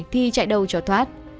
thì chạy đâu cho thoát